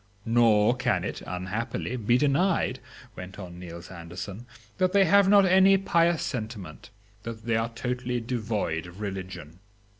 Nor can it, unhappily, be denied," went on Niels Anderson, "that they have not any pious sentiment, that they are totally devoid of religion...."